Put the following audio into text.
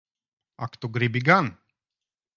Ak tu gribi gan!